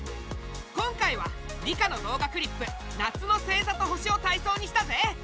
今回は理科の動画クリップ「夏の星ざと星」をたいそうにしたぜ！